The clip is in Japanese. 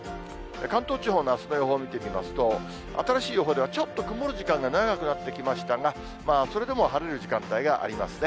関東地方のあすの予報を見てみますと、新しい予報では、ちょっと曇る時間が長くなってきましたが、それでも晴れる時間帯がありますね。